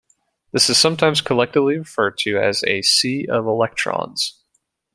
This is sometimes collectively referred to as a "sea of electrons".